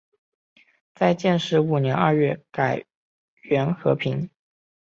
在建始五年二月改元河平。